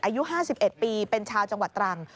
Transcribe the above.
อายุ๕๑ปีเป็นชาวจังหวัดตรัง